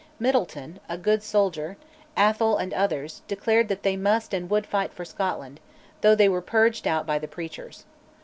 Middleton, a good soldier, Atholl, and others, declared that they must and would fight for Scotland, though they were purged out by the preachers.